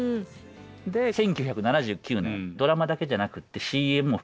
で１９７９年ドラマだけじゃなくてＣＭも。